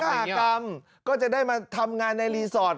เรียนข่ากรัมก็จะได้มาทำงานในรีสอร์ท